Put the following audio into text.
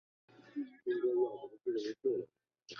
毛翼管鼻蝠属等之数种哺乳动物。